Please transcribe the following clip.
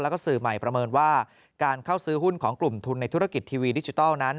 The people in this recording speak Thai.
แล้วก็สื่อใหม่ประเมินว่าการเข้าซื้อหุ้นของกลุ่มทุนในธุรกิจทีวีดิจิทัลนั้น